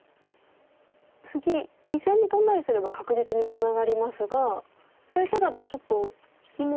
次２線にトンだりすれば確実にツナがりますがそういう手だとちょっと利きも多くなっちゃいますか。